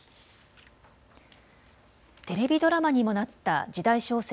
テレビドラマにもなった時代小説